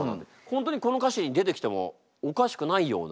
本当にこの歌詞に出てきてもおかしくないような。